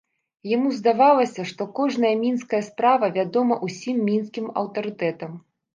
Яму здавалася, што кожная мінская справа вядома ўсім мінскім аўтарытэтам.